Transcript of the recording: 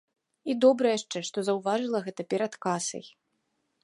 І добра яшчэ, што заўважыла гэта перад касай.